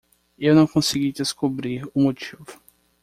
Eu não consegui descobrir o motivo.